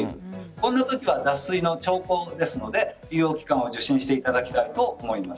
こんなときは脱水の兆候ですので医療機関を受診していただきたいと思います。